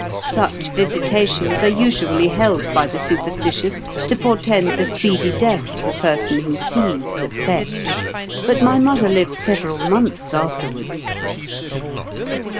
Such visita tions are usually held by the superstitious to portend the speedy death of the person who sees the " fetch "; but my mother lived several months afterwards.